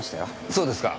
そうですか。